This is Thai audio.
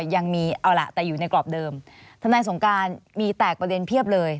ยังมีเอาล่ะแต่อยู่ในกรอบเดิมทนายสงการมีแตกประเด็นเพียบเลย